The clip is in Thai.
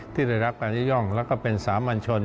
ที่ได้รับการยกย่องแล้วก็เป็นสามัญชน